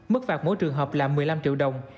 mức phạt mỗi trường hợp là một mươi năm triệu đồng